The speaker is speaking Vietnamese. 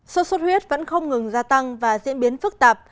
sốt xuất huyết vẫn không ngừng gia tăng và diễn biến phức tạp